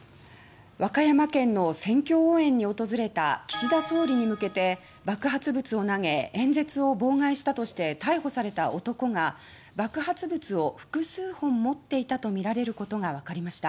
和歌山県の選挙応援に訪れた岸田総理に向けて爆発物を投げ演説を妨害したとして逮捕された男が爆発物を複数本持っていたとみられることがわかりました。